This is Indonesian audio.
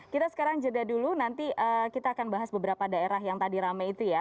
kita sekarang jeda dulu nanti kita akan bahas beberapa daerah yang tadi rame itu ya